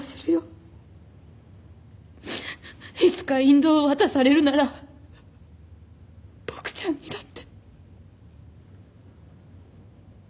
いつか引導を渡されるならボクちゃんにだって。